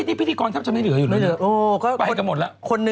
ไม่ได้เจอเธอสองคนเลย